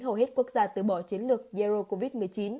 hầu hết quốc gia từ bỏ chiến lược zero covid một mươi chín